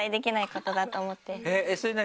それ何？